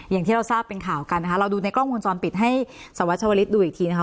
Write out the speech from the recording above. อย่างที่เราทราบเป็นข่าวกันนะคะเราดูในกล้องวงจรปิดให้สวัชวลิศดูอีกทีนะคะ